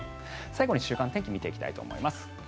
最後に週間天気を見ていきたいと思います。